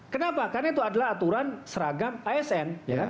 kenapa karena itu adalah aturan seragam asn